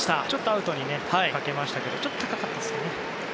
アウトにかけましたけどちょっと高かったですかね。